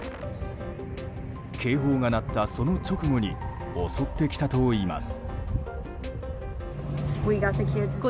警報が鳴ったその直後に襲ってきたといいます。